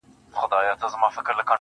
• د ښكلا ميري د ښكلا پر كلي شــپه تېروم.